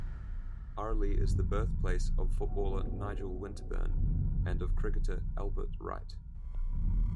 Arley is the birthplace of footballer Nigel Winterburn and of cricketer Albert Wright.